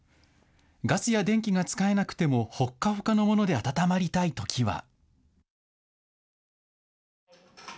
ガスや電気が使えなくてもホッカホカのもので温まりたいときは。